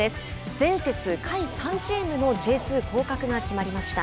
前節、下位３チームのＪ２降格が決まりました。